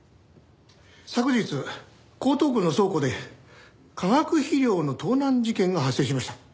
昨日江東区の倉庫で化学肥料の盗難事件が発生しました。